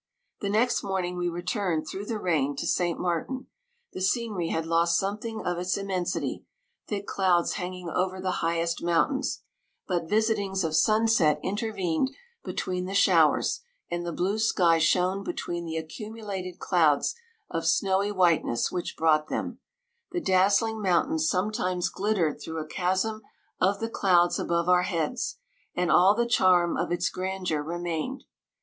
The next morning we returned through the rain to St. Martin. The scenery had lost something of its im mensity, thick clouds hanging over the highest mountains ; but visitings of sunset intervened between the show ers, and the blue sky shone between the accumulated clouds of snowy whiteness which brought them ; the dazzling mountains sometimes glit tered through a chasm of the clouds above our heads, and all the charm of its grandeur remained.